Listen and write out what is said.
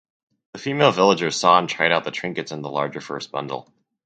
The female villagers saw and tried out the trinkets in the larger first bundle.